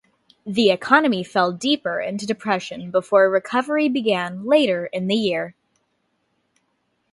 The economy fell deeper into depression before a recovery began later in the year.